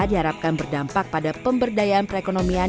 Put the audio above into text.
diharapkan berdampak pada pemberdayaan perekonomian